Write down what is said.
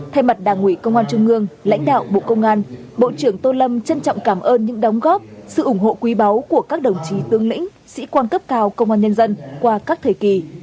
thay mặt đảng ủy công an trung ương lãnh đạo bộ công an bộ trưởng tô lâm trân trọng cảm ơn những đóng góp sự ủng hộ quý báu của các đồng chí tương lĩnh sĩ quan cấp cao công an nhân dân qua các thời kỳ